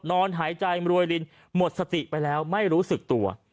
นอนหายใจรวยลินหมดสติไปแล้วไม่รู้สึกตัว